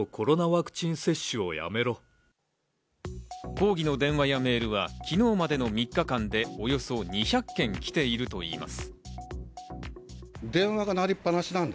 抗議の電話やメールは昨日までの３日間でおよそ２００件来ているといいます。